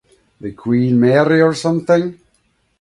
She also knew Winton.